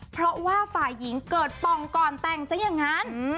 เพราะว่าฝ่ายหญิงเกิดป่องก่อนแต่งซะอย่างนั้น